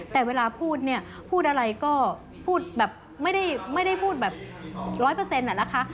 แต่เวลาพูดเนี่ยพูดอะไรก็พูดแบบไม่ได้พูดแบบ๑๐๐อ่ะนะคะ